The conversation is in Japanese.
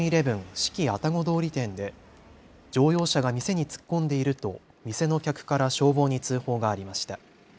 志木愛宕通り店で乗用車が店に突っ込んでいると店の客から消防に通報がありました。